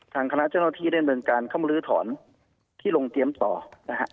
ทางคณะเจ้าหน้าที่ดำเนินการเข้ามาลื้อถอนที่ลงเตรียมต่อนะฮะ